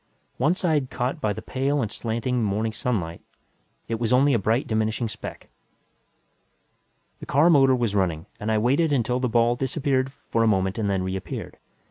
One side caught by the pale and slanting morning sunlight, it was only a bright diminishing speck. The car motor was running and I waited until the ball disappeared for a moment and then reappeared.